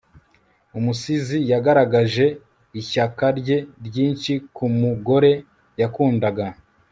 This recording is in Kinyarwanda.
Umusizi yagaragaje ishyaka rye ryinshi ku mugore yakundaga